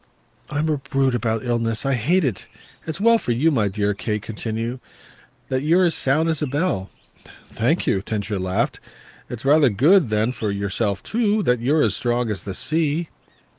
"I'm a brute about illness. I hate it. It's well for you, my dear," Kate continued, "that you're as sound as a bell." "Thank you!" Densher laughed. "It's rather good then for yourself too that you're as strong as the sea."